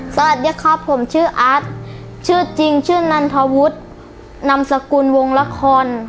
สวัสดีครับผมชื่ออาร์ตชื่อจริงชื่อนันทวุฒินำสกุลวงละคร